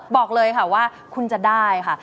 บอกเลยค่ะว่าคุณจะได้ค่ะ